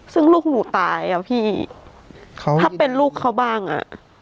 ซึ่งลูกหนูตายอ่ะพี่ถ้าเป็นลูกเขาบ้างอ่ะ